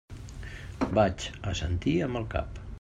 Vaig assentir amb el cap.